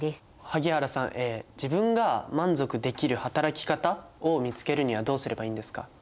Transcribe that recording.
萩原さん自分が満足できる働き方を見つけるにはどうすればいいんですか？